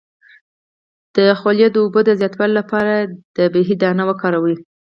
د خولې د اوبو د زیاتوالي لپاره د بهي دانه وکاروئ